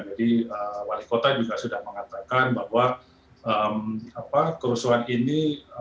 jadi wali kota juga sudah mengatakan bahwa kerusuhan ini